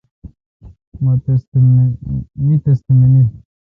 می تس تھ مانیل۔